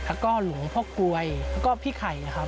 แล้วก็หลวงพ่อกลวยแล้วก็พี่ไข่นะครับ